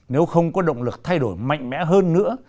nếu không có động lực thay đổi mạnh mẽ hơn nữa